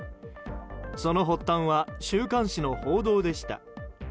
その発端は週刊誌の報道でした。